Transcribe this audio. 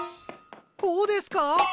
こうですか？